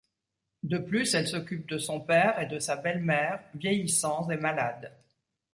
De plus, elle s'occupe de son père et de sa belle-mère viellissants et malades.